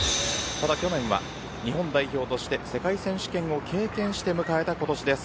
去年は日本代表として世界選手権を経験して迎えた今年です。